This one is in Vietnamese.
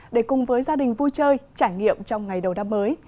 để cùng với gia đình vui chơi trải nghiệm trong ngày đầu năm mới